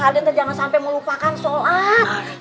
aden jangan sampai melupakan sholat